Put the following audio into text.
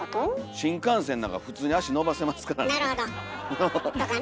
新幹線なんか普通に足伸ばせますからね。